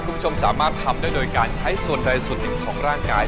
คุณผู้ชมสามารถทำได้โดยการใช้ส่วนใดส่วนหนึ่งของร่างกาย